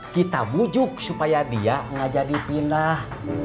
kita bujuk supaya dia gak jadi pindah